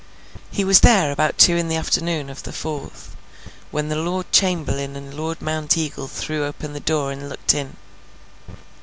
He was there about two in the afternoon of the fourth, when the Lord Chamberlain and Lord Mounteagle threw open the door and looked in.